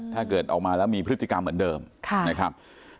ถ้าเกิดออกมาแล้วมีพฤติกรรมเหมือนเดิมนะครับ